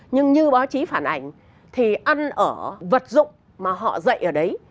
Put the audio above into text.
nhưng như báo chí phản ảnh thì ăn ở vật dụng mà họ dậy ở đấy